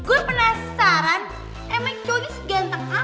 gue penasaran emang cowoknya segenteng apa